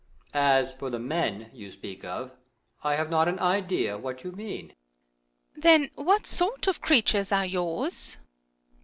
As for the men you speak of, I have not an idea what you mean. Earth. Then what sort of creatures are yours